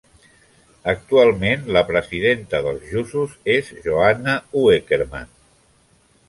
Actualment la presidenta dels Jusos és Johanna Uekermann.